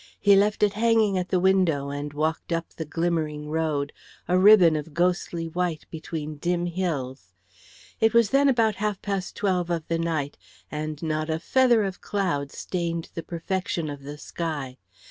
He left it hanging at the window and walked up the glimmering road, a ribbon of ghostly white between dim hills. It was then about half past twelve of the night, and not a feather of cloud stained the perfection of the sky.